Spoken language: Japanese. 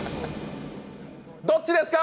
どっちですか？